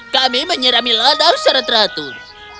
kami menyirami ladau secara teratur